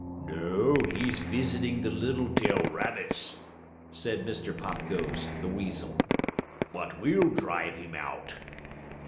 "No, he's visiting the Littletail rabbits," said Mr. Pop Goes, the weasel. "But we'll drive him out."